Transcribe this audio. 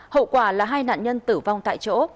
hậu quả là hai nạn nhân tử vong tại chỗ